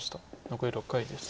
残り６回です。